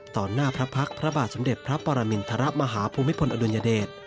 หน้าพระพักษ์พระบาทสมเด็จพระปรมินทรมาฮภูมิพลอดุลยเดช